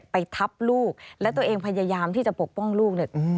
ทับลูกและตัวเองพยายามที่จะปกป้องลูกเนี่ย